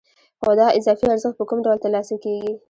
خو دا اضافي ارزښت په کوم ډول ترلاسه کېږي